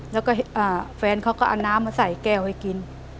แล้วก็แฟนเขาก็เอาน้ำมาใส่แก้วไว้กิน